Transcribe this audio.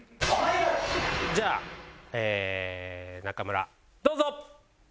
じゃあ中村どうぞ！